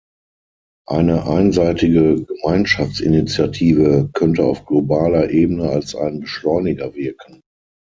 Eine einseitige Gemeinschaftsinitiative könnte auf globaler Ebene als ein Beschleuniger wirken.